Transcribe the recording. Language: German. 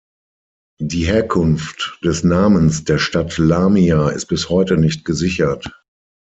Die Herkunft des Namens der Stadt Lamia ist bis heute nicht gesichert.